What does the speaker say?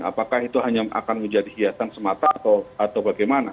apakah itu hanya akan menjadi hiasan semata atau bagaimana